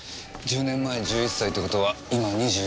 １０年前１１歳って事は今２１。